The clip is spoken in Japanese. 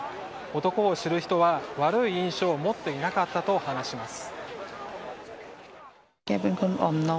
男を知る人は悪い印象を持っていなかったと話します。